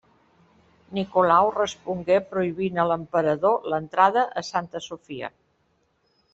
Nicolau respongué prohibint a l'emperador l'entrada a Santa Sofia.